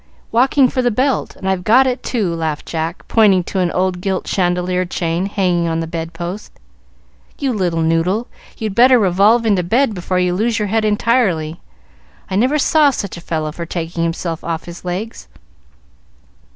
Walking for the belt, and I've got it too," laughed Jack, pointing to an old gilt chandelier chain hanging on the bedpost. "You little noodle, you'd better revolve into bed before you lose your head entirely. I never saw such a fellow for taking himself off his legs."